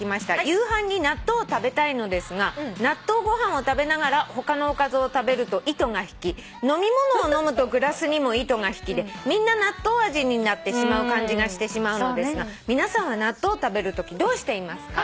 夕飯に納豆を食べたいのですが納豆ご飯を食べながら他のおかずを食べると糸が引き飲み物を飲むとグラスにも糸が引きでみんな納豆味になってしまう感じがしてしまうのですが皆さんは納豆を食べるときどうしていますか？」